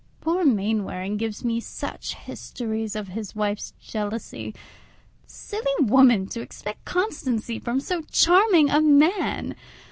Poor Mainwaring gives me such histories of his wife's jealousy. Silly woman to expect constancy from so charming a man!